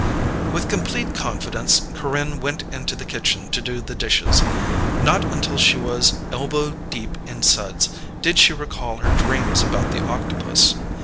With complete confidence Corinne went into the kitchen to do the dishes. Not until she was elbow deep in suds did she recall her dreams about the octopus.